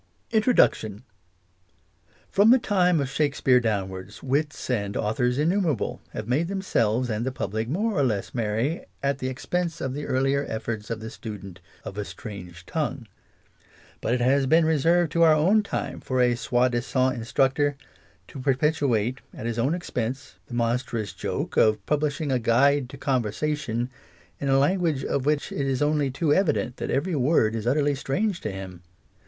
35nirobuciion ♦ ROMiht time of Shakspere down wards, wits and authors innumer able liave made themselves and the public more or less meriy at the expense of the earlier efforts of the student of a strange tongue ; but it has been reserved to our own time for a sot dtsant in structor to perpetrate — at his own expense — ii. Introduction. the monstrous joke of publishing a Guide to Conversation in a language of which it is only too evident that every word is utterly strange to him.